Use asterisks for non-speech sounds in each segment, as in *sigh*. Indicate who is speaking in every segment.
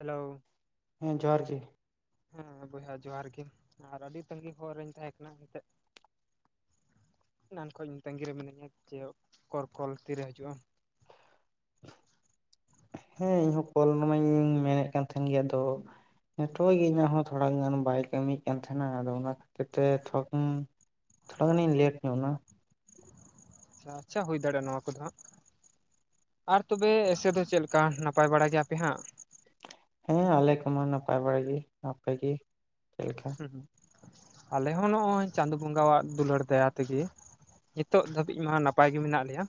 Speaker 1: Hello
Speaker 2: ᱦᱮᱸ ᱡᱚᱦᱟᱨ ᱜᱮ
Speaker 1: ᱦᱮᱸ ᱵᱚᱭᱦᱟ ᱡᱚᱦᱟᱨ ᱜᱮ ᱟᱨ ᱟᱹᱰᱤ ᱛᱟᱸᱜᱤ ᱦᱚᱨ ᱨᱤᱧ ᱛᱟᱦᱮᱸ ᱠᱟᱱᱟ ᱮᱱᱛᱮᱫ ᱮᱱᱟᱱ ᱠᱷᱚᱧ ᱛᱟᱹᱜᱤ ᱨᱮ ᱢᱤᱱᱟᱹᱧᱟ ᱡᱮ ᱠᱚᱨᱠᱚᱞ ᱛᱤᱨᱮ ᱦᱤᱡᱩᱜ-ᱟ
Speaker 2: ᱦᱮᱸ ᱤᱧ ᱦᱚᱸ ᱠᱚᱞ ᱢᱟᱧ ᱢᱮᱱᱮᱫ ᱛᱟᱦᱮᱸᱱ ᱜᱮᱭᱟ ᱟᱫᱚ ᱱᱮᱴᱣᱟᱨᱠ ᱤᱧᱟᱹᱜ ᱦᱚᱸ ᱛᱷᱚᱲᱟ ᱜᱟᱱ ᱵᱟᱭ ᱠᱟᱹᱢᱤ ᱭᱮᱫ ᱠᱟᱱ ᱛᱟᱦᱮᱸᱱᱟ ᱟᱫᱚ ᱚᱱᱟ *inaudible* ᱛᱷᱚᱲᱟ ᱜᱟᱱᱤᱧ ᱞᱮᱴ ᱧᱚᱜᱱᱟ
Speaker 1: ᱟᱪᱪᱷᱟ ᱟᱪᱪᱷᱟ ᱦᱩᱭ ᱫᱟᱲᱮᱭᱟᱜ-ᱟ ᱱᱚᱣᱟ ᱠᱚᱫᱚ ᱦᱟᱸᱜ ᱟᱨ ᱛᱚᱵᱮ ᱮᱥᱮ ᱫᱚ ᱪᱮᱫ ᱞᱮᱠᱟ ᱱᱟᱯᱟᱭ ᱵᱟᱲᱟ ᱜᱮᱭᱟᱯᱮ ᱦᱟᱸᱜ
Speaker 2: ᱦᱮᱸ ᱟᱞᱮ ᱠᱚᱢᱟ ᱱᱟᱯᱟᱭ ᱵᱟᱲᱟ ᱜᱤ ᱟᱯᱮᱜᱤ ᱪᱮᱫ ᱞᱮᱠᱟ
Speaker 1: ᱟᱞᱮ ᱦᱚᱸ ᱱᱚᱜᱚᱭ ᱪᱟᱸᱫᱳ ᱵᱚᱸᱜᱟᱣᱟᱜ ᱫᱩᱞᱟᱹᱲ ᱫᱟᱭᱟ ᱛᱮᱜᱤ ᱱᱤᱛᱚᱜ ᱫᱷᱟᱹᱵᱤᱡ ᱢᱟ ᱱᱟᱯᱟᱭ ᱜᱮ ᱢᱮᱱᱟᱜ ᱞᱮᱭᱟ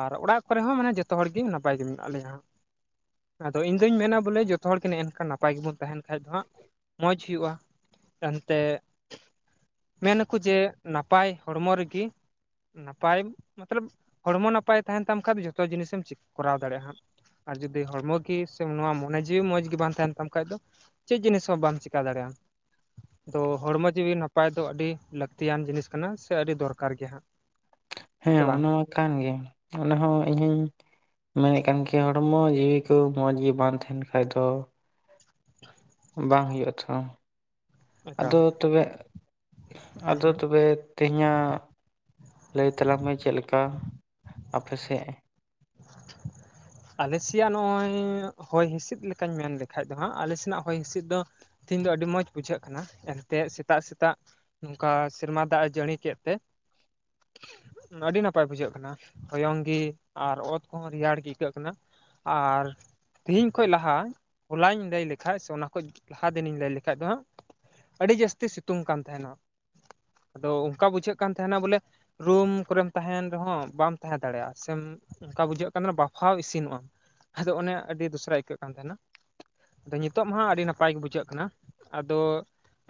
Speaker 1: ᱟᱨ ᱚᱲᱟᱜ ᱠᱚᱨᱮ ᱦᱚᱸ ᱢᱟᱱᱮ ᱡᱚᱛᱚ ᱦᱚᱲ ᱜᱮ ᱱᱟᱯᱟᱭ ᱜᱮ ᱢᱮᱱᱟᱜ ᱞᱮᱭᱟ ᱟᱫᱚ ᱤᱧ ᱫᱩᱧ ᱢᱮᱱᱟ ᱵᱚᱞᱮ ᱡᱚᱛᱚ ᱦᱚᱲ ᱜᱮ ᱱᱮᱜ-ᱮ ᱱᱮᱝᱠᱟ ᱱᱟᱯᱟᱭ ᱜᱮᱵᱚᱱ ᱛᱟᱦᱮᱸᱱ ᱠᱷᱟᱡ ᱫᱚ ᱦᱟᱸᱜ ᱢᱚᱸᱡᱽ ᱦᱩᱭᱩᱜ-ᱟ ᱮᱱᱛᱮ ᱢᱮᱱᱟᱠᱩ ᱡᱮ ᱱᱟᱯᱟᱭ ᱦᱚᱲᱢᱚ ᱨᱤᱜᱤ ᱱᱟᱯᱟᱭ ᱢᱚᱛᱞᱚᱵ ᱦᱚᱲᱢᱚ ᱱᱟᱯᱟᱭ ᱛᱟᱦᱮᱸᱱ ᱛᱟᱢ ᱠᱷᱟᱡ ᱡᱚᱛᱚ ᱡᱤᱱᱤᱥ ᱮᱢ ᱠᱚᱨᱟᱣ ᱫᱟᱲᱮᱭᱟᱜ-ᱟ ᱦᱟᱸᱜ ᱟᱨ ᱡᱩᱫᱤ ᱦᱚᱲᱢ ᱜᱮ ᱥᱮ ᱱᱚᱣᱟ ᱢᱚᱱᱮ ᱡᱤᱣᱤ ᱢᱚᱸᱡᱽ ᱜᱤ ᱵᱟᱝ ᱛᱟᱦᱮᱸᱱ ᱛᱟᱢ ᱠᱷᱟᱡ ᱫᱚ ᱪᱮᱫ ᱡᱤᱱᱤᱥ ᱦᱚᱸ ᱵᱟᱢ ᱪᱮᱠᱟᱹ ᱫᱟᱲᱮᱭᱟᱜ-ᱟᱢ ᱛᱚ ᱦᱚᱲᱢᱚ ᱡᱤᱣᱤ ᱱᱟᱯᱟᱭ ᱫᱚ ᱟᱹᱰᱤ ᱞᱟᱹᱠᱛᱤᱭᱟᱱ ᱡᱤᱱᱤᱥ ᱠᱟᱱᱟ ᱥᱮ ᱟᱹᱰᱤ ᱫᱚᱨᱠᱟᱨ ᱜᱮᱭᱟ ᱦᱟᱸᱜ
Speaker 2: ᱦᱮᱸ
Speaker 1: ᱥᱮ ᱵᱟᱝ
Speaker 2: ᱚᱱᱟ ᱠᱟᱱ ᱜᱮ ᱚᱱᱟ ᱦᱚᱸ ᱤᱧ ᱦᱚᱧ ᱢᱮᱱᱮᱫ ᱠᱟᱱ ᱜᱮᱭᱟ ᱦᱚᱲᱢᱚ ᱡᱤᱣᱤ ᱠᱚ ᱢᱚᱸᱡᱽ ᱜᱤ ᱵᱟᱝ ᱛᱟᱦᱮᱸᱱ ᱠᱷᱟᱡ ᱫᱚ ᱵᱟᱝ ᱦᱩᱭᱩᱜ-ᱟ ᱛᱚ
Speaker 1: ᱮᱠᱟᱞ
Speaker 2: ᱟᱫᱚ ᱛᱚᱵᱮ
Speaker 1: ᱦᱩᱸ
Speaker 2: ᱟᱫᱚ
Speaker 1: ᱦᱩᱸ
Speaker 2: ᱛᱚᱵᱮ ᱛᱮᱦᱮᱧ ᱟᱜ ᱞᱟᱹᱭ ᱛᱟᱞᱟᱝ ᱢᱮ ᱪᱮᱫ ᱞᱮᱠᱟ ᱟᱯᱮ ᱥᱮᱫ *inaudible*
Speaker 1: ᱟᱞᱮ ᱥᱮᱭᱟᱜ ᱱᱚᱜ-ᱚᱭ ᱦᱚᱭ ᱦᱤᱸᱥᱤᱫ ᱞᱮᱠᱟᱧ ᱢᱮᱱ ᱞᱮᱠᱷᱟᱡ ᱫᱚ ᱦᱟᱸᱜ ᱟᱞᱮ ᱥᱮᱱᱟᱜ ᱦᱚᱭ ᱦᱤᱸᱥᱤᱫ ᱫᱚ ᱛᱤᱦᱤᱧ ᱫᱚ ᱟᱹᱰᱤ ᱢᱚᱸᱡᱽ ᱵᱩᱡᱷᱟᱹᱜ ᱠᱟᱱᱟ ᱮᱱᱛᱮ ᱥᱮᱛᱟᱜ ᱥᱮᱛᱟᱜ ᱱᱚᱝᱠᱟ ᱥᱮᱨᱢᱟ ᱫᱟᱜ ᱮ ᱡᱟᱹᱲᱤ ᱠᱮᱫ ᱛᱮ ᱟᱹᱰᱤ ᱱᱟᱯᱟᱭ ᱵᱩᱡᱷᱟᱹᱜ ᱠᱟᱱᱟ ᱦᱚᱭᱚᱝᱜᱤ ᱟᱨ ᱚᱛ ᱠᱚᱦᱚᱸ ᱨᱮᱭᱟᱲ ᱜᱮ ᱟᱹᱭᱠᱟᱹᱜ ᱠᱟᱱᱟ ᱟᱨ ᱛᱤᱦᱮᱧ ᱠᱷᱚᱡ ᱞᱟᱦᱟ ᱦᱚᱞᱟᱧ ᱞᱟᱹᱭ ᱞᱮᱠᱷᱟᱡ ᱥᱮ ᱚᱱᱟ ᱠᱷᱚᱡ ᱞᱟᱦᱟ ᱫᱤᱱᱤᱧ ᱞᱟᱹᱭ ᱞᱮᱠᱷᱟᱡ ᱫᱚ ᱦᱟᱸᱜ ᱟᱹᱰᱤ ᱡᱟᱹᱥᱛᱤ ᱥᱤᱛᱩᱝ ᱠᱟᱱ ᱛᱟᱦᱮᱸᱱᱟ ᱟᱫᱚ ᱚᱱᱠᱟ ᱵᱩᱡᱷᱟᱹᱜ ᱠᱟᱱ ᱛᱟᱦᱸᱮᱱᱟ ᱵᱚᱞᱮ ᱨᱩᱢ ᱠᱚᱨᱮᱢ ᱛᱟᱦᱮᱸᱱ ᱨᱮ ᱦᱚᱸ ᱵᱟᱢ ᱛᱟᱦᱮᱸ ᱫᱟᱲᱮᱭᱟᱜ-ᱟ ᱥᱮᱢ ᱚᱱᱠᱟ ᱵᱩᱡᱷᱟᱹᱜ ᱠᱟᱱ ᱛᱟᱦᱮᱸᱱᱟ ᱵᱟᱯᱷᱟᱣ ᱤᱥᱤᱱᱚᱜ-ᱟᱢ ᱟᱫᱚ ᱚᱱᱮ ᱟᱹᱰᱤ ᱫᱚᱥᱨᱟ ᱟᱹᱭᱠᱟᱹᱜ ᱠᱟᱱ ᱛᱟᱦᱮᱸᱱᱟ ᱟᱫᱚ ᱱᱤᱛ-ᱚᱜ ᱢᱟ ᱦᱟᱜ ᱟᱹᱰᱤ ᱱᱟᱯᱟᱭ ᱜᱮ ᱵᱩᱡᱷᱟᱹᱜ ᱠᱟᱱᱟ ᱟᱫᱚ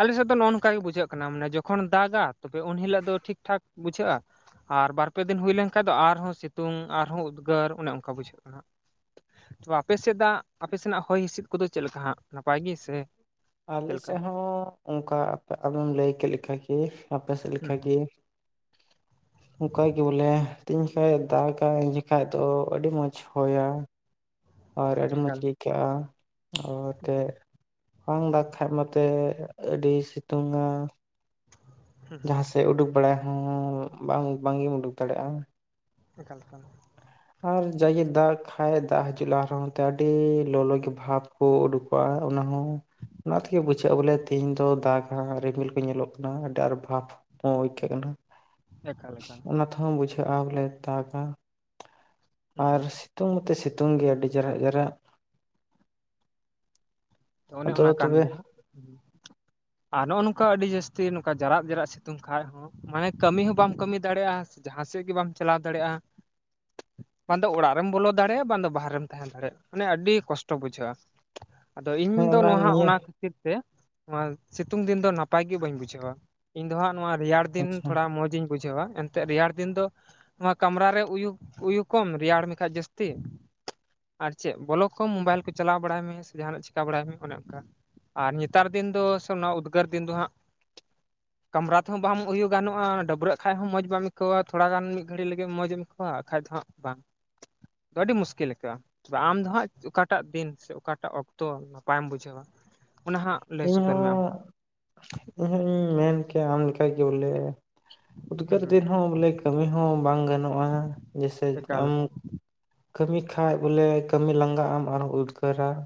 Speaker 1: ᱟᱞᱮᱥᱮᱫ ᱫᱚ ᱱᱚᱜ ᱱᱚᱝᱠᱟ ᱜᱮ ᱵᱩᱡᱷᱟᱹᱜ ᱠᱟᱱᱟ ᱢᱟᱱᱮ ᱡᱚᱠᱷᱚᱱ ᱫᱟᱜ ᱠᱟ ᱛᱚᱵᱮ ᱩᱱ ᱦᱤᱞᱳᱜ ᱫᱚ ᱴᱷᱤᱠᱴᱷᱟᱠ ᱵᱩᱡᱷᱟᱹᱜ-ᱟ ᱟᱨ ᱵᱟᱨ ᱯᱮ ᱫᱤᱱ ᱦᱩᱭ ᱞᱮᱱᱠᱷᱟᱱ ᱫᱚ ᱟᱨᱦᱚᱸ ᱥᱤᱛᱩᱝ ᱟᱨᱦᱚᱸ ᱩᱫᱽᱜᱟᱹᱨ ᱚᱱᱮ ᱚᱱᱠᱟ ᱵᱩᱡᱷᱟᱹᱜ ᱠᱟᱱᱟ ᱛᱚ ᱟᱯᱮ ᱥᱮᱫᱟᱜ ᱟᱯᱮ ᱥᱮᱱᱟᱜ ᱦᱚᱭ ᱦᱤᱸᱥᱤᱫ ᱠᱚᱫᱚ ᱪᱮᱫ ᱞᱮᱠᱟ ᱦᱟᱜ ᱱᱟᱯᱟᱭ ᱜᱮ ᱥᱮ
Speaker 2: ᱟᱞᱮ
Speaker 1: ᱪᱮᱫ ᱞᱮᱠᱟ
Speaker 2: ᱥᱮᱫ ᱦᱚᱸ ᱚᱱᱠᱟ ᱟᱢᱮᱢ ᱞᱟᱹᱭ ᱠᱮᱫ ᱞᱮᱠᱟ ᱜᱤ ᱟᱯᱮ ᱥᱮᱜ ᱞᱮᱠᱟ
Speaker 1: ᱦᱩᱸ
Speaker 2: ᱜᱤ ᱚᱱᱠᱟ ᱜᱤ ᱵᱚᱞᱮ ᱛᱤᱱ ᱡᱚᱠᱷᱟ ᱫᱟᱜᱟ ᱩᱱ ᱡᱠᱷᱟᱡ ᱫᱚ ᱟᱹᱰᱤ ᱢᱚᱸᱡᱽ ᱦᱚᱭᱟ ᱟᱨ ᱟᱹᱰᱤ ᱢᱚᱡᱽ
Speaker 1: ᱮᱠᱟᱞ
Speaker 2: ᱜᱤ ᱟᱭᱠᱟᱹᱜ-ᱟ
Speaker 1: ᱮᱠᱟᱞ
Speaker 2: ᱵᱟᱝ ᱫᱟᱜ ᱠᱷᱟᱱ ᱢᱟᱛᱚ ᱟᱹᱰᱤ ᱥᱤᱛᱩᱝ-ᱟ
Speaker 1: ᱦᱩᱸ ᱦᱩᱸ
Speaker 2: ᱡᱟᱦᱟᱸ ᱥᱮᱜ ᱩᱰᱩᱠ ᱵᱟᱲᱟᱭ ᱦᱚᱸ ᱵᱟᱝ ᱵᱟᱝ ᱜᱮᱢ ᱩᱰᱩᱠ ᱫᱟᱲᱮᱭᱟᱜ-ᱟ
Speaker 1: ᱮᱠᱟᱞ ᱠᱟᱱᱟ
Speaker 2: ᱟᱨ ᱡᱟᱜᱮ ᱫᱟᱜ ᱠᱷᱟᱱ ᱫᱟᱜ ᱦᱤᱡᱩᱜ ᱞᱟᱦᱟ ᱨᱮᱦᱚᱸ ᱚᱱᱛᱮ ᱟᱹᱰᱤ ᱞᱚᱞᱚ ᱜᱮ ᱵᱷᱟᱵᱽ ᱠᱩ ᱩᱰᱩᱠᱚᱜ-ᱟ ᱚᱱᱟ ᱦᱚᱸ ᱚᱱᱟ ᱛᱮᱜᱮ ᱵᱩᱡᱷᱟᱹᱜ-ᱟ ᱵᱚᱞᱮ ᱛᱮᱦᱤᱧ ᱫᱚ ᱫᱟᱜᱟ ᱨᱤᱢᱤᱞ ᱠᱚ ᱧᱮᱞᱚᱜ ᱠᱟᱱᱟ ᱟᱹᱰᱤ ᱟᱸᱴ ᱵᱷᱟᱵᱽ ᱦ ᱭ *unintelligible*
Speaker 1: ᱮᱠᱟᱞ ᱮᱠᱟᱞ
Speaker 2: ᱦᱚᱸ ᱵᱩᱡ ᱠᱟᱜ-ᱟ ᱵᱚᱞᱮ ᱛᱟᱠᱟ
Speaker 1: ᱦᱩᱸ ᱦᱩᱸ
Speaker 2: ᱟᱨ ᱥᱤᱛᱩᱝ ᱛᱮ ᱥᱤᱛᱩᱝ ᱜᱮᱭᱟ ᱟᱹᱰᱤ ᱡᱟᱨᱟᱜ ᱡᱟᱨᱟᱜ
Speaker 1: ᱚᱱᱮ
Speaker 2: ᱟᱫᱚ
Speaker 1: ᱚᱱᱟ ᱠᱟᱱ
Speaker 2: ᱛᱚᱵᱮ
Speaker 1: ᱜᱮᱭᱟ ᱦᱟᱸᱜ ᱟᱨ ᱱᱚᱜ-ᱚ ᱱᱚᱝᱠᱟ ᱟᱹᱰᱤ ᱡᱟᱹᱥᱛᱤ ᱱᱚᱝᱠᱟ ᱡᱟᱨᱟᱜ ᱡᱮᱨᱟᱜ ᱥᱤᱛᱩᱝ ᱠᱷᱟᱡ ᱦᱚᱸ ᱢᱟᱱᱮ ᱠᱟᱹᱢᱤ ᱦᱚᱸ ᱵᱟᱢ ᱠᱟᱹᱢᱤ ᱫᱟᱲᱮᱭᱟᱜ-ᱟ ᱡᱟᱦᱟᱸ ᱥᱮᱫ ᱜᱮ ᱵᱟᱢ ᱪᱟᱞᱟᱣ ᱫᱟᱲᱮᱭᱟᱜ-ᱟ ᱵᱟᱝ ᱫᱚ ᱚᱲᱟᱜ ᱨᱮᱢ ᱵᱚᱞᱚ ᱫᱟᱲᱮᱭᱟᱜ-ᱟ ᱵᱟᱝ ᱫᱚ ᱵᱟᱦᱨᱮ ᱨᱮᱢ ᱛᱟᱦᱮᱸ ᱫᱟᱲᱮᱭᱟᱜ-ᱟ ᱢᱟᱱᱮ ᱟᱹᱰᱤ ᱠᱚᱥᱴᱚ ᱵᱩᱡᱷᱟᱹᱜ-ᱟ ᱾ ᱟᱫᱚ ᱤᱧ
Speaker 2: ᱦᱮᱸ
Speaker 1: ᱫᱚ ᱱᱟᱜ
Speaker 2: ᱱᱤᱭᱟᱹ
Speaker 1: ᱚᱱᱟ ᱠᱷᱟᱹᱛᱤᱨ ᱛᱮ ᱱᱚᱣᱟ ᱥᱤᱛᱩᱝ ᱫᱤᱱ ᱫᱚ ᱱᱟᱯᱟᱭ ᱜᱮ ᱵᱟᱹᱧ ᱵᱩᱡᱷᱟᱹᱣᱟ ᱤᱧ ᱫᱚ ᱦᱟᱸᱜ ᱱᱚᱣᱟ ᱨᱮᱭᱟᱲ ᱫᱤᱱ
Speaker 2: ᱟᱪᱪᱷᱟ
Speaker 1: ᱛᱷᱚᱲᱟ ᱢᱚᱡᱡᱽ ᱤᱧ ᱵᱩᱡᱷᱟᱹᱣᱟ ᱮ ᱮᱱᱛᱮᱫ ᱨᱮᱭᱟᱲ ᱫᱤᱱ ᱫᱚ ᱱᱚᱣᱟ ᱠᱟᱢᱨᱟ ᱨᱮ ᱩᱭᱩ ᱩᱭᱩ ᱠᱚᱢ ᱨᱮᱭᱟᱲ ᱢᱮᱠᱷᱟ ᱡᱟᱹᱥᱛᱤ ᱟᱨ ᱪᱮᱫ ᱵᱚᱞᱚᱠ ᱠᱚᱢ ᱢᱳᱵᱟᱭᱤᱞ ᱠᱚ ᱪᱟᱞᱟᱣ ᱵᱟᱲᱟᱭ ᱢᱮ ᱥᱮ ᱡᱟᱦᱟᱱᱟᱜ ᱪᱤᱠᱟ ᱵᱟᱲᱟᱭ ᱢᱮ ᱚᱱᱮ ᱚᱱᱠᱟ ᱟᱨ ᱱᱮᱛᱟᱨ ᱫᱤᱱ ᱫᱚ ᱥᱮ ᱚᱱᱟ ᱩᱫᱽᱜᱟᱹᱨ ᱫᱤᱱ ᱫᱚ ᱦᱟᱸᱜ
Speaker 2: *inaudible*
Speaker 1: ᱠᱟᱢᱨᱟ ᱛᱮᱦᱚᱸ ᱵᱟᱢ ᱩᱭᱩ ᱜᱟᱱᱚᱜ-ᱟ ᱾ ᱰᱟᱹᱵᱽᱨᱟᱹᱜ ᱠᱷᱟᱡᱽ ᱦᱚᱸ ᱢᱚᱡᱽ ᱵᱟᱢ ᱟᱹᱭᱠᱟᱹᱣᱟ ᱛᱷᱚᱲᱟ ᱜᱟᱱ ᱢᱤᱫ ᱜᱷᱟᱹᱲᱤᱡ ᱞᱟᱹᱜᱤᱫ ᱢᱚᱡᱽ ᱮᱢ ᱟᱹᱭᱠᱟᱹᱣᱟ ᱵᱟᱠᱷᱟᱡ ᱫᱚ ᱦᱟᱸᱜ ᱵᱟᱝ
Speaker 2: *inaudible*
Speaker 1: ᱟᱹᱰᱤ ᱢᱩᱥᱠᱤᱞ ᱞᱮᱠᱟ ᱟᱢ ᱫᱚ ᱦᱟᱸᱜ ᱚᱠᱟᱴᱟᱜ ᱫᱤᱱ ᱥᱮ ᱚᱠᱟᱴᱟᱜ ᱚᱠᱛᱚ ᱛᱚ ᱱᱟᱯᱟᱭᱮᱢ ᱵᱩᱡᱷᱟᱹᱣᱟ ᱚᱱᱟ ᱦᱟᱸᱜ ᱞᱟᱹᱭ ᱥᱚᱫᱚᱨ ᱢᱮ ᱟᱢ
Speaker 2: ᱤᱧᱦᱚᱸ
Speaker 1: ᱦᱚᱸ
Speaker 2: ᱤᱧᱦᱚᱸᱧ ᱢᱮᱱ ᱠᱮᱭᱟ ᱟᱢ ᱞᱮᱠᱟ ᱜᱮ ᱵᱚᱞᱮ
Speaker 1: ᱦᱩᱸ
Speaker 2: ᱩᱫᱽᱜᱟᱹᱨ
Speaker 1: ᱦᱩᱸ
Speaker 2: ᱫᱤᱱ ᱦᱚᱸ ᱵᱚᱞᱮ ᱠᱟᱹᱢᱤ ᱦᱚᱸ ᱵᱟᱝ ᱜᱟᱱᱚᱜ-ᱟ ᱡᱮᱭᱥᱮ
Speaker 1: ᱮᱠᱟᱞ
Speaker 2: ᱟᱢ
Speaker 1: ᱮᱠᱟᱞ
Speaker 2: ᱠᱟᱹᱢᱤ ᱠᱷᱟᱡᱽ ᱵᱚᱞᱮ ᱠᱟᱹᱢᱤ ᱞᱟᱸᱜᱟ ᱟᱢ ᱟᱨ ᱩᱫᱽᱜᱟᱹᱨᱟ ᱾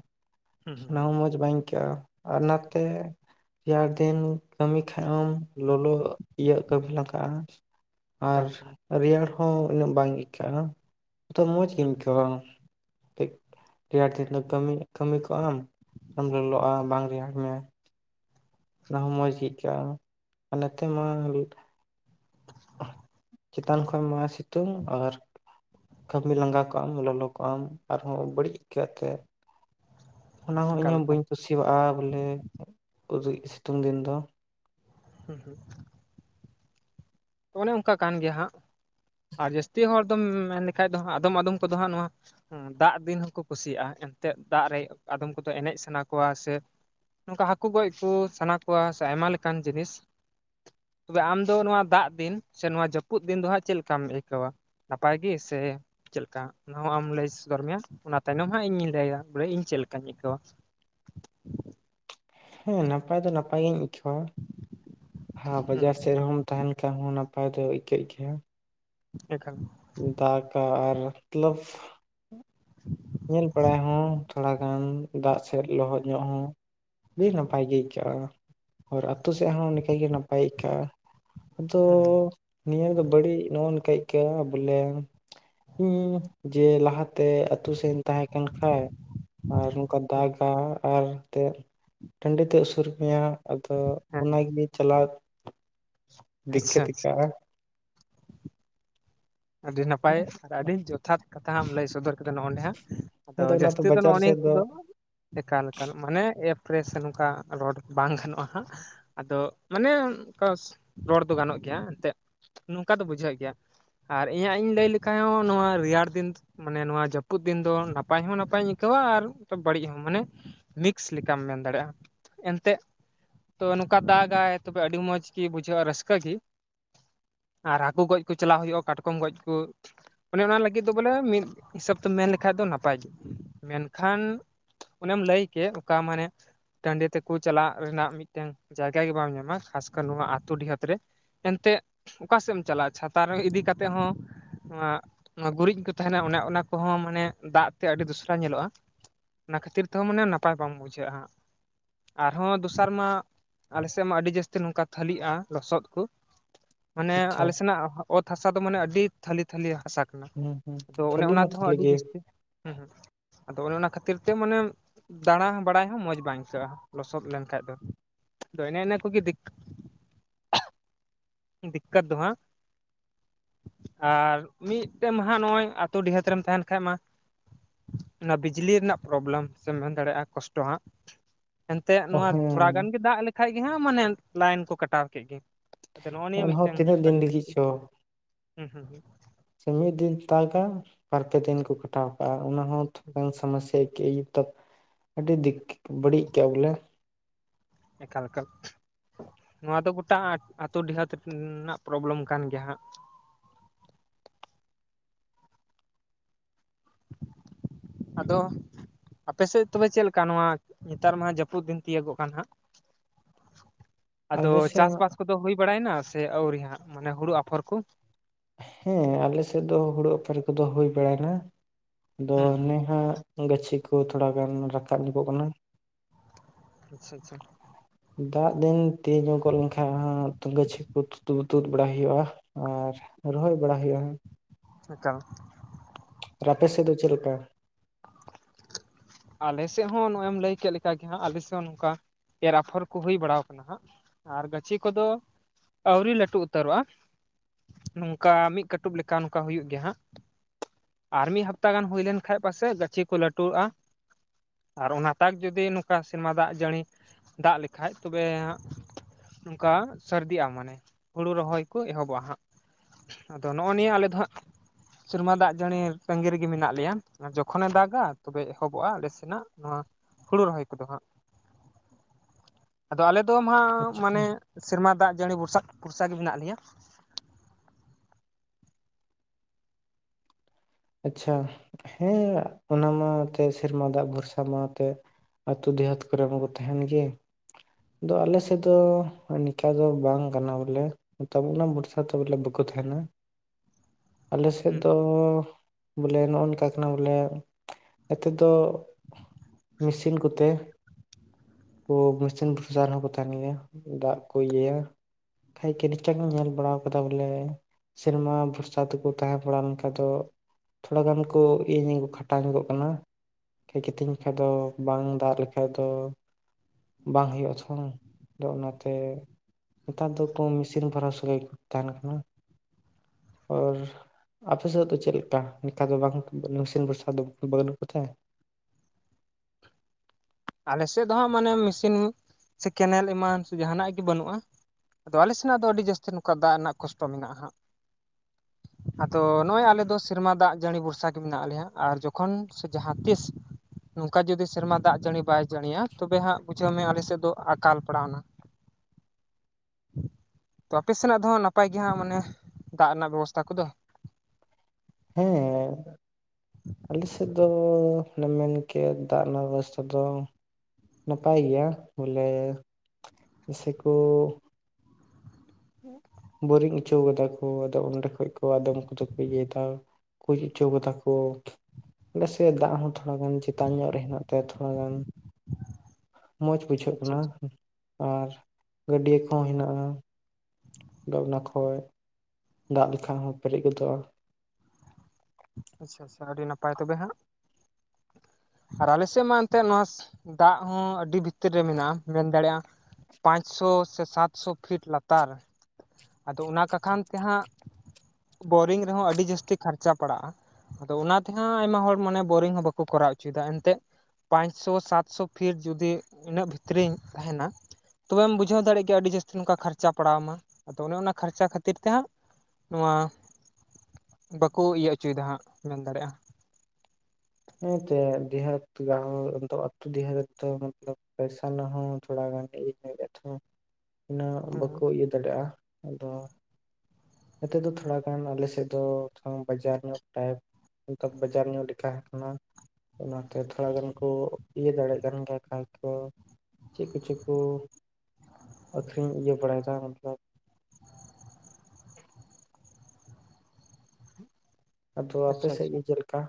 Speaker 1: ᱦᱩᱸ
Speaker 2: ᱚᱱᱟ
Speaker 1: ᱦᱩᱸ
Speaker 2: ᱦᱚᱸ ᱢᱚᱡᱽ ᱵᱟᱧ ᱟᱹᱭᱠᱟᱹᱜ-ᱟ ᱟᱨ ᱱᱟᱛᱮ ᱨᱮᱭᱟᱲ ᱫᱤᱱ ᱠᱟᱹᱢᱤ ᱠᱷᱟᱡᱽ ᱦᱚᱢ ᱞᱚᱞᱚ ᱤᱭᱟᱹᱜ ᱠᱟᱹᱢᱤ ᱞᱟᱜᱟᱜ-ᱟ ᱾ ᱟᱨ
Speaker 1: ᱮᱠᱟᱞ ᱮᱠᱟᱞ
Speaker 2: ᱨᱮᱭᱟᱲ ᱦᱚᱸ ᱩᱱᱟᱹᱜ ᱵᱟᱝ ᱟᱹᱭᱠᱟᱹᱜ-ᱟ ᱛᱚ ᱢᱚᱡᱽ ᱜᱮᱢ
Speaker 1: ᱦᱩᱸ
Speaker 2: ᱟᱹᱭᱠᱟᱹᱣᱟ ᱾ ᱠᱟᱹᱡ ᱨᱮᱭᱟᱲ ᱛᱤᱱ ᱠᱟᱹᱢᱤ ᱠᱟᱹᱢᱤ ᱠᱟᱜ ᱟᱢ ᱵᱟᱢ ᱞᱚᱞᱚᱜ-ᱟ ᱵᱟᱝ ᱨᱮᱭᱟᱲ ᱢᱮᱭᱟ ᱾ ᱚᱱᱟ ᱦᱚᱸ ᱢᱚᱡᱽ ᱟᱹᱭᱠᱟᱹᱜ-ᱟ ᱟᱨ ᱱᱟᱛᱮ ᱢᱟ ᱪᱮᱛᱟᱱ ᱠᱷᱚᱡᱽ ᱢᱟ ᱥᱤᱛᱩᱝ ᱟᱨ ᱠᱟᱹᱢᱤ ᱞᱟᱸᱜᱟ ᱠᱚᱜ-ᱟᱢ ᱞᱚᱞᱚ ᱠᱟᱜ ᱟᱢ ᱟᱨᱦᱚᱸ ᱵᱟᱹᱲᱤᱡ ᱤᱠᱟᱹᱛᱮ ᱚᱱᱟ ᱦᱚᱸ ᱤᱧ
Speaker 1: ᱮᱠᱟᱞ
Speaker 2: ᱦᱚᱸ
Speaker 1: ᱮᱠᱟᱞ
Speaker 2: ᱵᱟᱹᱧ ᱠᱩᱥᱤᱭᱟᱜ-ᱟ ᱵᱚᱞᱮ ᱩᱫᱩᱜ ᱥᱤᱛᱩᱝ ᱫᱤᱱ ᱫᱚ
Speaker 1: ᱦᱩᱸ ᱦᱩᱸ ᱚᱱᱮ ᱚᱱᱠᱟ ᱠᱟᱱ ᱜᱮᱭᱟ ᱦᱟᱸᱜ ᱟᱨ ᱡᱟᱹᱥᱛᱤ ᱦᱚᱲ ᱫᱚᱢ ᱢᱮᱱ ᱞᱮᱠᱷᱟᱡ ᱫᱚ ᱦᱟᱸᱜ ᱟᱫᱚᱢ ᱟᱫᱚᱢ ᱠᱚᱫᱚ ᱦᱟᱸᱜ ᱱᱚᱣᱟ ᱦᱮᱸ ᱫᱟᱜ ᱫᱤᱱ ᱦᱚᱸᱠᱚ ᱠᱩᱥᱤᱭᱟᱜ-ᱟ ᱮᱱᱛᱮᱜ ᱫᱟᱜ ᱨᱮ ᱟᱫᱚᱢ ᱠᱚᱫᱚ ᱮᱱᱮᱡ ᱥᱟᱱᱟ ᱠᱚᱣᱟ ᱥᱮ ᱱᱚᱝᱠᱟ ᱦᱟᱹᱠᱩ ᱜᱚᱡ ᱠᱚ ᱥᱟᱱᱟ ᱠᱚᱣᱟ ᱥᱮ ᱟᱭᱢᱟ ᱞᱮᱠᱟᱱ ᱡᱤᱱᱤᱥ ᱛᱚᱵᱮ ᱟᱢ ᱫᱚ ᱱᱚᱣᱟ ᱫᱟᱜ ᱫᱤᱱ ᱥᱮ ᱱᱚᱣᱟ ᱡᱟᱹᱯᱩᱫ ᱫᱤᱱ ᱫᱚ ᱦᱟᱸᱜ ᱪᱮᱫ ᱞᱮᱠᱟᱢ ᱟᱹᱭᱠᱟᱹᱣᱟ ᱾ ᱱᱟᱯᱟᱭ ᱜᱮ ᱥᱮ ᱪᱮᱫ ᱞᱮᱠᱟ ᱚᱱᱟ ᱦᱚᱸ ᱟᱢ ᱞᱟᱹᱭ ᱥᱚᱫᱚᱨ ᱢᱮᱭᱟ ᱚᱱᱟ ᱛᱟᱭᱱᱚᱢ ᱦᱟᱸᱜ ᱤᱧᱤᱧ ᱞᱟᱹᱭᱟ ᱵᱚᱞᱮ ᱤᱧ ᱪᱮᱫ ᱞᱮᱠᱟᱧ ᱟᱹᱭᱠᱟᱹᱣᱟ ᱾
Speaker 2: *inaudible* ᱦᱮᱸ ᱱᱟᱯᱟᱭ ᱫᱚ ᱱᱟᱯᱟᱭ ᱜᱤᱧ ᱟᱹᱭᱠᱟᱹᱣᱟ ᱟᱨ
Speaker 1: ᱦᱩᱸ
Speaker 2: ᱵᱟᱡᱟᱨ ᱥᱮᱫ ᱨᱮᱦᱚᱸ ᱛᱟᱦᱮᱸᱱ ᱠᱷᱟᱱ ᱦᱚᱸ ᱱᱟᱯᱟᱭ ᱫᱚ ᱟᱹᱭᱠᱟᱹᱜ ᱜᱮᱭᱟ ᱾
Speaker 1: ᱮᱠᱷᱟᱱ
Speaker 2: ᱫᱟᱜ ᱠᱟ ᱟᱨ ᱢᱚᱛᱞᱚᱵ
Speaker 1: *unintelligible*
Speaker 2: ᱧᱮᱞ ᱵᱟᱲᱟᱭ ᱦᱚᱸ ᱛᱷᱚᱲᱟ ᱜᱟᱱ ᱫᱟᱜ ᱥᱮᱫ ᱞᱚᱦᱚᱫ ᱧᱚᱜ ᱦᱚᱸ ᱱᱟᱯᱟᱭ ᱜᱮ ᱤᱠᱟᱹᱜ-ᱟ ᱟᱛᱳ ᱥᱮᱫ ᱦᱚᱸ ᱱᱤᱠᱟᱹ ᱜᱮ ᱱᱟᱯᱟᱭ ᱤᱠᱟᱹᱜ-ᱟ ᱾ ᱟᱫᱚ
Speaker 1: ᱦᱩᱸ
Speaker 2: ᱱᱤᱭᱟᱹ ᱫᱚ ᱵᱟᱹᱲᱤᱡ ᱱᱚᱜ-ᱚ ᱱᱚᱝᱠᱟ ᱟᱹᱭᱠᱟᱹᱜ-ᱟ ᱵᱚᱞᱮ ᱦᱩ ᱡᱮ ᱞᱟᱦᱟᱛᱮ ᱟᱹᱛᱩ ᱥᱮᱫ ᱤᱧ ᱛᱟᱦᱮᱸ ᱠᱟᱱ ᱠᱷᱟᱡᱽ ᱟᱨ ᱱᱚᱝᱠᱟ
Speaker 1: ᱦᱩᱸ
Speaker 2: ᱫᱟᱜᱟ ᱟᱨ ᱮᱱᱛᱮ ᱴᱟᱺᱰᱤ ᱛᱮ ᱩᱥᱩᱨ ᱢᱮᱭᱟ ᱟᱫᱚ
Speaker 1: ᱦᱮᱸ
Speaker 2: ᱚᱱᱟ ᱜᱮᱞᱤᱧ ᱪᱟᱞᱟᱜ ᱫᱤᱠᱷᱮ
Speaker 1: ᱟᱪᱪᱷᱟ ᱟᱪᱪᱷᱟ
Speaker 2: ᱛᱤᱠᱷᱟᱜ-ᱟ
Speaker 1: ᱟᱹᱰᱤ ᱱᱟᱯᱟᱭ ᱟᱨ ᱟᱹᱰᱤ ᱡᱚᱛᱷᱟᱛ ᱠᱟᱛᱷᱟᱢ ᱞᱟᱹᱭ ᱥᱚᱫᱚᱨ ᱠᱮᱫᱟ ᱱᱚᱰᱮᱸ ᱦᱟᱸᱜ
Speaker 2: ᱦᱮᱸ
Speaker 1: ᱟᱫᱚ
Speaker 2: ᱚᱱᱟᱛᱮ
Speaker 1: ᱡᱟᱹᱥᱛᱤ ᱫᱚ
Speaker 2: ᱵᱟᱡᱟᱨ
Speaker 1: ᱱᱚᱜ ᱱᱤᱭᱟᱹ
Speaker 2: ᱥᱮᱫ ᱫᱚ
Speaker 1: ᱠᱚᱫᱚ ᱮᱠᱟᱞ ᱞᱮᱠᱟᱞ ᱢᱟᱱᱮ ᱮᱯ ᱨᱮ ᱥᱮ ᱱᱚᱝᱠᱟ ᱨᱚᱱ ᱵᱟᱝ ᱜᱟᱱᱚᱜᱼᱟ ᱦᱟᱸᱜ᱾ ᱟᱫᱚ ᱢᱟᱱᱮ ᱚᱱᱠᱟ ᱨᱚᱲ ᱫᱚ ᱜᱟᱱᱚᱜ ᱜᱮᱭᱟ ᱮᱱᱛᱮᱫ ᱱᱚᱝᱠᱟ ᱫᱚ ᱵᱩᱡᱷᱟᱹᱜ ᱜᱮᱭᱟ ᱾ ᱟᱨ ᱤᱧᱟᱹᱜ ᱤᱧ ᱞᱟᱹᱭ ᱞᱮᱠᱷᱟᱡ ᱦᱚᱸ ᱱᱚᱣᱟ ᱨᱮᱭᱟᱲ ᱫᱤᱱ ᱢᱟᱱᱮ ᱱᱚᱣᱟ ᱡᱟᱹᱯᱩᱫ ᱫᱤᱱ ᱫᱚ ᱱᱟᱯᱟᱭ ᱦᱚᱸ ᱱᱟᱯᱟᱭᱤᱧ ᱟᱹᱭᱠᱟᱹᱣᱟ ᱟᱨ ᱵᱟᱹᱲᱤᱡ ᱦᱚᱸ, ᱢᱟᱱᱮ ᱢᱤᱠᱥ ᱞᱮᱠᱟᱢ ᱢᱮᱱ ᱫᱟᱲᱮᱭᱟᱜᱼᱟ, ᱮᱱᱛᱮᱜ ᱛᱚ ᱱᱚᱝᱠᱟ ᱫᱟᱜᱟᱭ ᱛᱚᱵᱮ ᱟᱹᱰᱤ ᱢᱚᱸᱡᱽ ᱜᱮ ᱵᱩᱡᱷᱟᱹᱜᱼᱟ ᱨᱟᱹᱥᱠᱟᱹ ᱜᱮ᱾ ᱟᱨ ᱦᱟᱹᱠᱩ ᱜᱚᱡ ᱠᱚ ᱪᱟᱞᱟᱣ ᱦᱩᱭᱩᱜᱼᱟ, ᱠᱟᱴᱠᱚᱢ ᱜᱚᱡ ᱠᱚ, ᱚᱱᱮ ᱚᱱᱟ ᱞᱟᱹᱜᱤᱫ ᱫᱚ ᱵᱚᱞᱮ ᱢᱤᱫ ᱦᱤᱥᱟᱹᱵ ᱛᱮᱢ ᱢᱮᱱ ᱞᱮᱠᱷᱟᱡ ᱫᱚ ᱱᱟᱯᱟᱭ ᱜᱮ, ᱢᱮᱱᱠᱷᱟᱱ ᱚᱱᱮᱢ ᱞᱟᱹᱭ ᱠᱮᱫ ᱚᱱᱠᱟ ᱢᱟᱱᱮ ᱴᱟᱺᱰᱤ ᱛᱮᱠᱚ ᱪᱟᱞᱟᱜ ᱨᱮᱱᱟᱜ ᱢᱤᱫᱴᱮᱱ ᱡᱟᱭᱜᱟ ᱜᱮ ᱵᱟᱢ ᱧᱟᱢᱟ ᱠᱷᱟᱥᱠᱟᱨ ᱱᱚᱣᱟ ᱟᱛᱳ ᱰᱤᱦᱟᱹᱛ ᱨᱮ, ᱮᱱᱛᱮᱜ ᱚᱠᱟ ᱥᱮᱫ ᱮᱢ ᱪᱟᱞᱟᱜᱼᱟ ᱪᱷᱟᱛᱟ ᱨᱮ ᱤᱫᱤ ᱠᱟᱛᱮᱜ ᱦᱚᱸ ᱜᱩᱨᱤᱡ ᱠᱚ ᱛᱟᱦᱮᱱᱟ ᱮ ᱚᱱᱟ ᱠᱚᱦᱚᱸ ᱢᱟᱱᱮ ᱫᱟᱜ ᱛᱮ ᱟᱹᱰᱤ ᱫᱩᱥᱨᱟ ᱧᱮᱞᱚᱜᱼᱟ᱾ ᱚᱱᱟ ᱠᱷᱟᱹᱛᱤᱨ ᱛᱮᱦᱚᱸ ᱢᱟᱱᱮ ᱱᱟᱯᱟᱭ ᱵᱟᱢ ᱵᱩᱡᱷᱟᱹᱜᱼᱟ ᱦᱟᱸᱜ, ᱟᱨᱦᱚᱸ ᱫᱚᱥᱟᱨ ᱢᱟ ᱟᱞᱮᱥᱮᱫ ᱢᱟ ᱟᱹᱰᱤ ᱡᱟᱹᱥᱛᱤ ᱱᱚᱝᱠᱟ ᱛᱷᱟᱹᱞᱤᱜᱼᱟ ᱞᱚᱥᱚᱫ ᱠᱚ, ᱢᱟᱱᱮ
Speaker 2: ᱟᱪᱪᱷᱟ
Speaker 1: ᱟᱞᱮ ᱥᱮᱱᱟᱜ ᱚᱛ ᱦᱟᱥᱟ ᱫᱚ ᱢᱟᱱᱮ ᱟᱹᱰᱤ ᱛᱷᱟᱞᱤ ᱛᱷᱟᱞᱤ ᱦᱟᱥᱟ ᱠᱟᱱᱟ
Speaker 2: ᱦᱩᱸ ᱦᱩᱸ
Speaker 1: ᱟᱫᱚ ᱚᱱᱮ
Speaker 2: ᱛᱷᱟᱹᱞᱤ ᱢᱟ
Speaker 1: ᱚᱱᱟ ᱛᱮᱦᱚᱸ
Speaker 2: ᱛᱷᱟᱹᱞᱤ
Speaker 1: ᱟᱹᱰᱤ
Speaker 2: ᱜᱮ
Speaker 1: ᱡᱟᱹᱥᱛᱤ ᱦᱩᱸ ᱦᱩᱸ ᱟᱫᱚ ᱚᱱᱮ ᱚᱱᱟ ᱠᱷᱟᱹᱛᱤᱨ ᱛᱮ ᱢᱟᱱᱮ ᱫᱟᱬᱟ ᱵᱟᱲᱟᱭ ᱦᱚᱸ ᱢᱚᱸᱡᱽ ᱵᱟᱝ ᱟᱹᱭᱠᱟᱹᱜᱼᱟ᱾ ᱞᱚᱥᱚᱫ ᱞᱮᱱᱠᱷᱟᱡ ᱫᱚ ᱟᱫᱚ ᱚᱱᱮ ᱤᱱᱟᱹ ᱠᱚᱜᱮ ᱫᱤᱠ ᱫᱤᱠᱠᱟᱛ ᱫᱚ ᱦᱟᱸᱜ᱾ ᱟᱨ ᱢᱤᱫᱴᱮᱱ ᱢᱟᱦᱟ ᱱᱚᱜᱼᱚᱭ ᱟᱛᱳ ᱰᱤᱦᱟᱹᱛ ᱨᱮᱢ ᱛᱟᱦᱮᱱ ᱠᱷᱟᱡ ᱢᱟ, ᱚᱱᱟ ᱵᱤᱡᱽᱞᱤ ᱨᱮᱱᱟᱜ ᱯᱨᱚᱵᱞᱮᱢ ᱥᱮᱢ ᱢᱮᱱ ᱫᱟᱲᱮᱭᱟᱜᱼᱟ ᱠᱚᱥᱴᱚ ᱦᱟᱸᱜ᱾ ᱮᱱᱛᱮᱜ
Speaker 2: ᱚ
Speaker 1: ᱱᱚᱣᱟ ᱛᱷᱚᱲᱟ
Speaker 2: ᱦᱮᱸ
Speaker 1: ᱜᱟᱱ ᱜᱮ ᱫᱟᱜ ᱞᱮᱠᱷᱟᱡ ᱜᱮ ᱦᱟᱜ ᱢᱟᱱᱮ ᱞᱟᱭᱤᱱ ᱠᱚ ᱠᱟᱴᱟᱣ ᱠᱮᱫ ᱜᱮ᱾ ᱟᱫᱚ ᱱᱚᱜᱼᱚ ᱱᱤᱭᱟᱹ
Speaker 2: ᱮᱱᱦᱚᱸ ᱛᱤᱱᱟᱹᱜ ᱫᱤᱱ ᱞᱟᱹᱜᱤᱫ ᱪᱚ᱾
Speaker 1: ᱦᱮᱸ ᱦᱩᱸ ᱦᱩᱸ
Speaker 2: ᱥᱮ ᱢᱤᱫ ᱫᱤᱱ ᱫᱟᱜᱟᱭ ᱵᱟᱨᱯᱮ ᱫᱤᱱ ᱠᱚ ᱠᱟᱴᱟᱣ ᱠᱟᱜᱼᱟ ᱚᱱᱟ ᱦᱚᱸ ᱛᱚ ᱥᱚᱢᱚᱥᱥᱟ ᱠᱚ ᱟᱹᱭᱠᱟᱹᱜ᱾ ᱛᱚ ᱟᱹᱰᱤ ᱫᱤᱠ ᱵᱟᱹᱲᱤᱡ ᱠᱮᱭᱟ ᱵᱚᱞᱮ,
Speaker 1: ᱮᱠᱟᱞ ᱮᱠᱟᱞ ᱱᱚᱣᱟ ᱫᱚ ᱜᱚᱴᱟ ᱟᱛᱳ ᱰᱤᱦᱟᱹᱛ ᱨᱮᱱᱟᱜ ᱯᱨᱚᱵᱞᱮᱢ ᱠᱟᱱ ᱜᱮᱭᱟ ᱦᱟᱸᱜ᱾ *unintelligible* ᱟᱫᱚ ᱟᱯᱮᱥᱮᱫ ᱛᱚᱵᱮ ᱪᱮᱫ ᱞᱮᱠᱟ ᱱᱚᱣᱟ ᱱᱮᱛᱟᱨ ᱢᱟᱦᱟᱸ ᱡᱟᱹᱯᱩᱫ ᱫᱤᱱ ᱛᱤᱭᱳᱜᱚᱜ ᱠᱟᱱ ᱦᱟᱸᱜ?
Speaker 2: *inaudible*
Speaker 1: ᱟᱫᱚ
Speaker 2: ᱥᱮᱫ
Speaker 1: ᱪᱟᱥᱵᱟᱥ ᱠᱚᱫᱚ ᱦᱩᱭ ᱵᱟᱲᱟᱭᱮᱱᱟ ᱥᱮ ᱟᱹᱣᱨᱤᱦᱟᱸ ᱢᱟᱱᱮ ᱦᱩᱲᱩ ᱟᱯᱷᱚᱨ ᱠᱚ,
Speaker 2: ᱦᱮᱸ ᱟᱞᱮ ᱥᱮᱫ ᱫᱚ ᱦᱩᱲᱩ ᱟᱯᱷᱚᱨ ᱠᱚᱫᱚ ᱦᱩᱭ ᱵᱟᱲᱟᱭᱱᱟ, ᱟᱫᱚ
Speaker 1: ᱦᱩᱸ
Speaker 2: ᱱᱮᱦᱟᱜ ᱜᱟᱹᱪᱷᱤ ᱠᱚ ᱛᱷᱚᱲᱟ ᱜᱟᱱ ᱨᱟᱠᱟᱵ ᱧᱚᱜᱚᱜ ᱠᱟᱱᱟ᱾
Speaker 1: ᱟᱪᱪᱷᱟ ᱟᱪᱪᱷᱟ
Speaker 2: ᱫᱟᱜ ᱫᱤᱱ ᱛᱤ ᱧᱚ ᱜᱚᱫ ᱞᱮᱱᱠᱷᱟᱱᱡ ᱜᱟᱹᱪᱷᱤ ᱠᱚ ᱛᱩ ᱛᱩᱫ ᱵᱟᱲᱟᱭ ᱦᱩᱭᱩᱜᱼᱟ, ᱟᱨ ᱨᱚᱦᱚᱭ ᱵᱟᱲᱟ ᱦᱩᱭᱩᱜᱼᱟ᱾
Speaker 1: ᱮᱠᱟᱞ
Speaker 2: ᱟᱨ ᱟᱯᱮᱥᱮᱫ ᱫᱚ ᱪᱮᱫ ᱞᱮᱠᱟ?
Speaker 1: ᱟᱞᱮᱥᱮᱫ ᱦᱚᱸ ᱱᱚᱜᱼᱚᱭ ᱮᱢ ᱞᱟᱹᱭ ᱠᱮᱫ ᱞᱮᱠᱟᱜ ᱜᱮ ᱦᱟᱜ ᱟᱞᱮ ᱥᱮᱫ ᱦᱚᱸ ᱱᱚᱝᱠᱟ ᱮᱨ ᱟᱯᱷᱚᱨ ᱠᱚ ᱦᱩᱭ ᱵᱟᱲᱟ ᱟᱠᱟᱱᱟ ᱦᱟᱸᱜ᱾ ᱟᱨ ᱜᱟᱹᱪᱷᱤ ᱠᱚᱫᱚ ᱟᱹᱣᱨᱤ ᱞᱟᱹᱴᱩ ᱩᱛᱟᱹᱨᱚᱜᱼᱟ᱾ ᱱᱚᱝᱠᱟ ᱢᱤᱫ ᱠᱟᱹᱴᱩᱵ ᱞᱮᱠᱟ ᱱᱚᱝᱠᱟ ᱦᱩᱭᱩᱜ ᱜᱮᱭᱟ ᱦᱟᱸᱜ᱾ ᱟᱨ ᱢᱤᱫ ᱦᱟᱯᱛᱟ ᱜᱟᱱ ᱦᱩᱭ ᱞᱮᱱᱠᱷᱟᱡ ᱯᱟᱥᱮᱡ ᱜᱟᱹᱪᱷᱤ ᱠᱚ ᱞᱟᱹᱴᱩᱜᱼᱟ᱾ ᱟᱨ ᱚᱱᱟ ᱛᱟᱠ ᱡᱩᱫᱤ ᱱᱚᱝᱠᱟ ᱥᱮᱨᱢᱟ ᱫᱟᱜ ᱡᱟᱹᱲᱤ ᱫᱟᱜ ᱞᱮᱠᱷᱟᱡ ᱛᱚᱵᱮ ᱦᱟᱸᱜ ᱱᱚᱝᱠᱟ ᱥᱟᱨᱫᱤᱜᱼᱟ ᱢᱟᱱᱮ ᱦᱩᱲᱩ ᱨᱚᱦᱚᱭ ᱠᱚ ᱮᱦᱚᱵᱚᱜᱼᱟ ᱦᱟᱸᱜ᱾ ᱟᱫᱚ ᱱᱚᱜᱼᱚᱭ ᱱᱤᱭᱟᱹ ᱟᱞᱮ ᱫᱚ ᱦᱟᱸᱜ ᱥᱮᱨᱢᱟ ᱫᱟᱜ ᱡᱟᱹᱲᱤ ᱛᱟᱺᱜᱤ ᱨᱮᱜᱮ ᱢᱮᱱᱟᱜ ᱞᱮᱭᱟ ᱟᱨ ᱡᱚᱠᱷᱚᱱᱮ ᱫᱟᱜ ᱛᱚᱵᱮ ᱮᱦᱚᱵᱚᱜᱼᱟ ᱟᱞᱮ ᱥᱮᱱᱟᱜ ᱱᱚᱣᱟ ᱦᱩᱲᱩ ᱨᱚᱦᱚᱭ ᱠᱚᱫᱚ ᱦᱟᱸᱜ᱾ ᱟᱫᱚ ᱟᱞᱮ ᱫᱚ ᱢᱟᱜ ᱢᱟᱱᱮ ᱥᱮᱨᱢᱟ ᱫᱟᱜ ᱡᱟᱹᱲᱤ ᱵᱚᱨᱥᱟ ᱵᱚᱨᱥᱟ ᱜᱮ ᱢᱮᱱᱟᱜ ᱞᱮᱭᱟ᱾
Speaker 2: ᱟᱪᱪᱷᱟ ᱦᱮᱸ ᱚᱱᱟ ᱢᱟ ᱛᱮ ᱥᱮᱨᱢᱟ ᱫᱟᱜ ᱵᱷᱚᱨᱥᱟ ᱢᱟᱛᱮ ᱟᱛᱳ ᱫᱮᱦᱮᱛ ᱠᱚᱨᱮ ᱢᱟ ᱠᱚ ᱛᱟᱦᱮᱱ ᱜᱮ ᱫᱚ ᱟᱞᱮ ᱥᱮᱫ ᱫᱚ ᱱᱤᱝᱠᱟ ᱫᱚ ᱵᱟᱝ ᱜᱟᱱᱚᱜ-ᱟ ᱵᱚᱞᱮ ᱛᱟᱵᱚᱱᱟ ᱵᱚᱨᱥᱟ ᱫᱚ ᱵᱚᱞᱮ ᱵᱟᱠᱚ ᱛᱟᱦᱮᱱᱟ ᱟᱞᱮ ᱥᱮᱫ
Speaker 1: ᱦᱩᱸ
Speaker 2: ᱫᱚ ᱵᱚᱞᱮ ᱱᱚᱜᱼᱚ ᱱᱚᱝᱠᱟ ᱠᱟᱱᱟ ᱵᱚᱞᱮ ᱱᱮᱛᱚᱜ ᱫᱚ ᱢᱮᱥᱤᱱ ᱠᱚᱛᱮ ᱳ ᱵᱩᱥᱪᱟᱱ *unintelligible* ᱯᱷᱩᱥᱟᱨ *unintelligible* ᱦᱚᱸᱠᱚ ᱛᱟᱦᱮᱱ ᱜᱮᱭᱟ ᱫᱟᱜ ᱠᱚ ᱤᱭᱟᱹᱭᱟ ᱥᱟᱭᱠᱮᱞ *unintelligible* ᱠᱮᱨᱮᱪᱮᱱ ᱦᱚᱸᱧ ᱧᱮᱞ ᱵᱟᱲᱟ ᱟᱠᱟᱫᱟ ᱵᱚᱞᱮ ᱥᱮᱨᱢᱟ ᱵᱷᱚᱨᱥᱟ ᱛᱮᱠᱚ ᱛᱟᱦᱮᱸ ᱵᱟᱲᱟ ᱞᱮᱱᱠᱷᱟᱱ ᱫᱚ ᱛᱷᱚᱲᱟ ᱜᱟᱱ ᱠᱚ ᱤᱧ ᱠᱚ ᱠᱷᱟᱴᱟᱣ ᱧᱚᱜᱚᱜ ᱠᱟᱱᱟ᱾ *unintelligible* ᱵᱟᱠᱷᱟᱡ ᱫᱚ ᱵᱟᱝ ᱫᱟᱜ ᱞᱮᱠᱷᱟᱡ ᱫᱚ ᱵᱟᱝ ᱦᱩᱭᱩᱜ-ᱟ ᱛᱷᱚ *unintelligible* ᱟᱫᱚ ᱚᱱᱟᱛᱮ ᱱᱮᱛᱟᱨ ᱫᱚᱠᱚ ᱢᱮᱥᱤᱱ ᱵᱷᱚᱨᱟ ᱥᱟᱹᱜᱟᱹᱭ ᱠᱚ ᱛᱟᱦᱮᱱ ᱠᱟᱱᱟ᱾ ᱟᱨ ᱟᱯᱮ ᱥᱮᱫ ᱫᱚ ᱪᱮᱫ ᱞᱮᱠᱟ? ᱱᱚᱱᱠᱟ ᱫᱚ *unintelligible* ᱫᱚ ᱵᱟᱹᱱᱩᱜ ᱠᱚ ᱛᱮ
Speaker 1: ᱟᱞᱮ ᱥᱮᱫ ᱫᱚ ᱦᱟᱸᱜ ᱢᱟᱱᱮ ᱢᱮᱥᱤᱱ ᱥᱮ ᱠᱮᱱᱮᱞ ᱮᱢᱟᱱ ᱥᱮ ᱡᱟᱦᱟᱱᱟᱜ ᱜᱮ ᱵᱟᱹᱱᱩᱜᱼᱟ᱾ ᱟᱫᱚ ᱟᱞᱮ ᱥᱮᱱᱟᱜ ᱫᱚ ᱟᱹᱰᱤ ᱡᱟᱹᱥᱛᱤ ᱱᱚᱝᱠᱟ ᱫᱟᱜ ᱨᱮᱱᱟᱜ ᱠᱚᱥᱴᱚ ᱢᱮᱱᱟᱜᱼᱟ ᱦᱟᱸᱜ ᱟᱫᱚ ᱱᱚᱜᱼᱚᱭ ᱟᱞᱮ ᱫᱚ ᱥᱮᱨᱢᱟ ᱫᱟᱜ ᱡᱟᱹᱲᱤ ᱵᱷᱚᱨᱥᱟ ᱜᱮ ᱢᱮᱱᱟᱜ ᱞᱮᱭᱟ ᱟᱨ ᱡᱚᱠᱷᱚᱱ ᱥᱮ ᱡᱟᱦᱟᱸ ᱛᱤᱥ ᱱᱚᱝᱠᱟ ᱡᱩᱫᱤ ᱥᱮᱨᱢᱟ ᱫᱟᱜ ᱡᱟᱹᱲᱤ ᱵᱟᱭ ᱡᱟᱹᱲᱤᱭᱟ ᱛᱚᱵᱮ ᱦᱟᱸᱜ ᱵᱩᱡᱷᱟᱹᱣ ᱢᱮ ᱟᱞᱮ ᱥᱮᱫ ᱫᱚ ᱟᱠᱟᱞ ᱯᱟᱲᱟᱣᱱᱟ। ᱛᱚ ᱟᱯᱮ ᱥᱮᱱᱟᱜ ᱫᱚ ᱦᱟᱸᱜ ᱱᱟᱯᱟᱭ ᱜᱮ ᱦᱟᱸᱜ ᱢᱟᱱᱮ ᱫᱟᱜ ᱨᱮᱱᱟᱜ ᱵᱮᱵᱚᱥᱛᱷᱟ ᱠᱚᱫᱚ
Speaker 2: ᱦᱮᱸ ᱟᱞᱮ ᱥᱮᱫ ᱫᱚ ᱮ ᱢᱮᱱ ᱠᱮᱫ ᱫᱟᱜ ᱨᱮᱱᱟᱜ ᱵᱮᱵᱚᱥᱛᱷᱟ ᱫᱚ ᱱᱟᱯᱟᱭ ᱜᱮᱭᱟ ᱵᱚᱞᱮ ᱥᱮ ᱠᱚ ᱵᱳᱨᱤᱝ ᱦᱚᱪᱚ ᱠᱟᱫᱟ ᱠᱚ ᱟᱫᱚ ᱚᱸᱰᱮ ᱠᱷᱡ ᱠᱚ ᱟᱫᱚᱢ ᱠᱚᱫᱚ ᱠᱚ ᱤᱭᱟᱹᱭ ᱫᱟ ᱠᱩᱸᱭ *unintelligible* ᱦᱚᱪᱚ ᱠᱟᱫᱟ ᱠᱚ ᱟᱞᱮ ᱥᱮᱫ ᱫᱟᱜ ᱦᱚᱸ ᱛᱷᱚᱲᱟ ᱜᱟᱱ ᱪᱮᱛᱟᱱ ᱧᱚᱜ ᱨᱮ ᱦᱮᱱᱟᱜ ᱛᱟᱭᱟ ᱛᱷᱚᱲᱟ ᱜᱟᱱ ᱢᱚᱡᱽ ᱵᱩᱡᱷᱟᱹᱜ
Speaker 1: ᱟᱪᱪᱷᱟ
Speaker 2: ᱠᱟᱱᱟ
Speaker 1: ᱟᱪᱪᱷᱟ
Speaker 2: ᱟᱨ ᱜᱟᱹᱰᱭᱟᱹ ᱠᱚᱦᱚᱸ ᱦᱮᱱᱟᱜᱼᱟ᱾ ᱚᱱᱟ ᱠᱷᱚᱡ ᱫᱟᱜ ᱞᱮᱠᱷᱟ ᱦᱚᱸ ᱯᱮᱨᱮᱡ ᱜᱚᱫᱚᱜᱼᱟ᱾
Speaker 1: ᱟᱪᱪᱷᱟ ᱟᱪᱪᱷᱟ ᱟᱹᱰᱤ ᱱᱟᱯᱟᱭ ᱛᱚᱵᱮ ᱦᱟᱸᱜ ᱟᱨ ᱟᱞᱮ ᱥᱮᱫ ᱢᱟ ᱮᱱᱛᱮᱜ ᱱᱚᱣᱟ ᱫᱟᱜ ᱦᱚᱸ ᱟᱹᱰᱤ ᱵᱷᱤᱛᱤᱨ ᱨᱮ ᱢᱮᱱᱟᱜᱼᱟ᱾ ᱢᱮᱱ ᱫᱟᱲᱮᱭᱟᱜᱼᱟ᱾ ᱯᱟᱸᱪᱥᱚ ᱥᱮ ᱥᱟᱛᱥᱚ ᱯᱷᱤᱴ ᱞᱟᱛᱟᱨ ᱨᱮ ᱟᱫᱚ ᱚᱱᱟ ᱠᱚᱠᱷᱟᱱ ᱛᱮ ᱦᱟᱸᱜ ᱵᱳᱨᱤᱝ ᱨᱮᱦᱚᱸ ᱟᱹᱰᱤ ᱡᱟᱹᱥᱛᱤ ᱠᱷᱚᱨᱪᱟ ᱯᱟᱲᱟᱜᱼᱟ᱾ ᱟᱫᱚ ᱚᱱᱟ ᱛᱮ ᱦᱟᱸᱜ ᱟᱭᱢᱟ ᱦᱚᱲ ᱢᱟᱱᱮ ᱵᱳᱨᱤᱝ ᱦᱚᱸ ᱵᱟᱠᱚ ᱠᱚᱨᱟᱣ ᱦᱚᱪᱚᱭᱮᱫᱟ ᱮᱱᱛᱮᱜ ᱯᱟᱸᱪᱥᱚ ᱥᱟᱛᱥᱚ ᱯᱷᱤᱴ ᱡᱩᱫᱤ ᱤᱱᱟᱹᱜ ᱵᱷᱤᱛᱨᱤᱧ ᱛᱟᱦᱮᱱᱟ᱾ ᱛᱚᱵᱮᱢ ᱵᱩᱡᱷᱟᱹᱣ ᱫᱟᱲᱮᱜ ᱠᱮᱭᱟ ᱟᱹᱰᱤ ᱡᱟᱹᱥᱛᱤ ᱱᱚᱝᱠᱟ ᱠᱷᱟᱨᱪᱟ ᱯᱟᱲᱟᱣ ᱟᱢᱟ ᱛᱚ ᱚᱱᱮ ᱚᱱᱟ ᱠᱷᱚᱨᱪᱟ ᱠᱷᱟᱹᱛᱤᱨ ᱛᱮ ᱦᱟᱸᱜ ᱱᱚᱣᱟ ᱵᱟᱠᱚ ᱤᱭᱟᱹ ᱚᱪᱚᱭᱮᱫᱟ ᱦᱟᱸᱜ ᱢᱮᱱ ᱫᱟᱲᱮᱭᱟᱜᱼᱟ᱾
Speaker 2: ᱦᱮᱸᱛᱮ ᱫᱤᱦᱟᱹᱛ *unintelligible* ᱯᱚᱭᱥᱟ ᱨᱮᱱᱟᱜ ᱦᱚᱸ ᱛᱷᱚᱲᱟ ᱜᱟᱱ *unintelligible* ᱩᱱᱟᱹᱜ
Speaker 1: ᱦᱮᱸ
Speaker 2: ᱵᱟᱠᱚ ᱤᱭᱟᱹ ᱫᱟᱲᱮᱭᱟᱜᱼᱟ ᱟᱫᱚ ᱱᱚᱛᱮ ᱫᱚ ᱛᱷᱚᱲᱟ ᱜᱟᱱ ᱟᱞᱮ ᱥᱮᱫ ᱫᱚ ᱛᱷᱚᱲ ᱵᱟᱡᱟᱨ ᱧᱚᱜ ᱴᱟᱭᱤᱯ ᱚᱱᱠᱟ ᱵᱟᱡᱟᱨ ᱧᱚᱜ ᱞᱮᱠᱟ᱾ ᱚᱱᱟ ᱚᱱᱟᱛᱮ ᱛᱷᱚᱲᱟ ᱜᱟᱱ ᱠᱚ ᱤᱭᱟᱹ ᱫᱟᱲᱮᱜ ᱠᱟᱱ ᱜᱮᱭᱟ ᱠᱟᱹᱢᱤ ᱠᱚ ᱪᱮᱫ ᱠᱚᱪᱚ ᱠᱚ ᱟᱹᱠᱷᱨᱤᱧ ᱤᱭᱟᱹ ᱵᱟᱲᱟᱭᱫᱟ ᱢᱚᱛᱞᱚᱵ ᱟᱫᱚ ᱟᱯᱮ
Speaker 1: ᱟᱪᱪᱷᱟ
Speaker 2: ᱥᱮᱫ
Speaker 1: ᱟᱪᱪᱷᱟ
Speaker 2: ᱜᱮ ᱪᱮᱫ ᱞᱮᱠᱟ?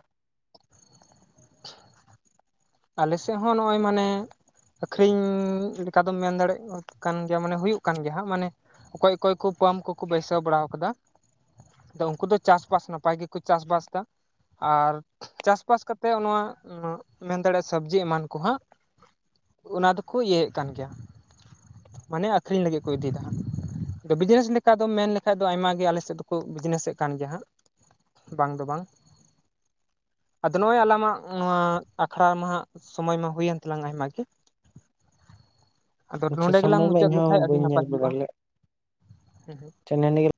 Speaker 1: *inaudible* ᱟᱞᱮ ᱥᱮᱫ ᱦᱚᱸ ᱱᱚᱜᱼᱚᱭ ᱢᱟᱱᱮ ᱟᱹᱠᱷᱨᱤᱧ ᱞᱮᱠᱟ ᱫᱚᱢ ᱢᱮᱱ ᱫᱟᱲᱮᱭᱟᱜ ᱠᱟᱱ ᱜᱮᱭᱟ ᱢᱟᱱᱮ ᱦᱩᱭᱩᱜ ᱠᱟᱱ ᱜᱮᱭᱟ ᱦᱟᱸᱜ ᱢᱟᱱᱮ ᱚᱠᱚᱭ ᱚᱠᱚᱭ ᱠᱚ ᱯᱟᱢᱯ ᱠᱚᱠᱚ ᱵᱟᱹᱭᱥᱟᱹᱣ ᱵᱟᱲᱟ ᱟᱠᱟᱫᱟ᱾ ᱟᱫᱚ ᱩᱱᱠᱩ ᱫᱚ ᱪᱟᱥᱵᱟᱥ ᱱᱟᱯᱟᱭ ᱜᱮᱠᱚ ᱪᱟᱥᱵᱟᱥ ᱮᱫᱟ᱾ ᱟᱨ ᱪᱟᱥᱵᱟᱥ ᱠᱟᱛᱮᱫ ᱱᱚᱣᱟ ᱢᱮᱱ ᱫᱟᱲᱮᱭᱟᱜᱼᱟ ᱥᱚᱵᱽᱡᱤ ᱮᱢᱟᱱ ᱠᱚ ᱦᱟᱸᱜ ᱚᱱᱟ ᱫᱚᱠᱚ ᱤᱭᱟᱹᱭᱮᱫ ᱠᱟᱱ ᱜᱮᱭᱟ᱾ ᱢᱟᱱᱮ ᱟᱹᱠᱷᱨᱤᱧ ᱞᱟᱹᱜᱤᱫ ᱠᱚ ᱤᱫᱤᱭᱮᱫᱟ ᱦᱟᱸᱜ ᱵᱤᱡᱽᱱᱮᱥ ᱞᱮᱠᱟ ᱫᱚ ᱢᱮᱱ ᱞᱮᱠᱷᱟᱡ ᱫᱚ ᱟᱭᱢᱟ ᱜᱮ ᱟᱞᱮ ᱥᱮᱫ ᱫᱚᱠᱚ ᱵᱤᱡᱽᱱᱮᱥ ᱮᱫ ᱠᱟᱱ ᱜᱮᱭᱟ ᱦᱟᱸᱜ ᱵᱟᱝ ᱫᱚ ᱵᱟᱝ ᱟᱫᱚ ᱱᱚᱜᱼᱚᱭ ᱟᱞᱟᱢᱟᱜ ᱱᱚᱣᱟ ᱟᱠᱷᱲᱟ ᱢᱟ ᱦᱟᱸᱜ ᱥᱚᱢᱚᱭ ᱢᱟ ᱦᱩᱭᱮᱱ ᱛᱟᱞᱟᱝ ᱟᱭᱢᱟ ᱜᱮ ᱟᱫᱚ
Speaker 2: ᱟᱪᱪᱷᱟ
Speaker 1: ᱱᱚᱸᱰᱮ ᱜᱮᱞᱟᱝ
Speaker 2: ᱥᱚᱢᱚᱭ ᱢᱟ
Speaker 1: ᱢᱩᱪᱟᱹᱫ
Speaker 2: ᱤᱧᱦᱚᱸ
Speaker 1: ᱞᱮᱠᱷᱟᱡ ᱟᱹᱰᱤ
Speaker 2: ᱵᱟᱹᱧ ᱧᱮᱞ
Speaker 1: ᱱᱟᱯᱟᱭ
Speaker 2: ᱵᱟᱲᱟ
Speaker 1: ᱦᱩᱭᱩᱜᱼᱟ᱾
Speaker 2: ᱞᱮᱫ
Speaker 1: ᱦᱮᱸ
Speaker 2: *unintelligible*